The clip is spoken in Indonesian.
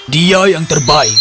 dia yang terbaik